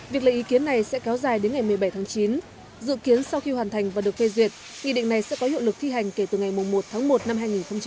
việc lấy ý kiến này sẽ kéo dài đến ngày một mươi bảy tháng chín dự kiến sau khi hoàn thành và được phê duyệt nghị định này sẽ có hiệu lực thi hành kể từ ngày một tháng một năm hai nghìn hai mươi